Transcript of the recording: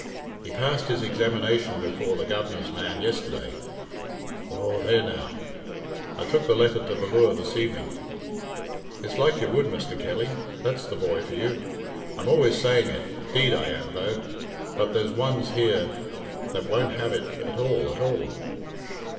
"He passed his examination before the Govenar's man yesterday." "Aw, there now!" "I took the letter to Ballure this evening." "It's like you would, Mr. Kelly. That's the boy for you. I'm always saying it. 'Deed I am, though, but there's ones here that won't have it at all, at all."